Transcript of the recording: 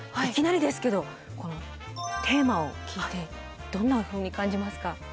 いきなりですけどこのテーマを聞いてどんなふうに感じますか？